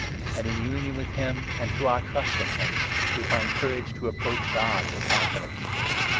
And in union with him, and through our trust in him, we find courage to approach God with confidence.